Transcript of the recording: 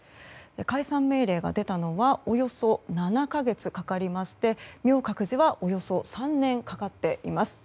解散命令が出たのはおよそ７か月かかりまして明覚寺はおよそ３年かかっています。